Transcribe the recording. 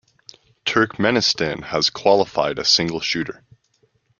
Turkmenistan has qualified a single shooter.